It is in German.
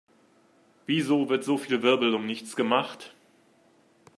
Wieso wird so viel Wirbel um nichts gemacht?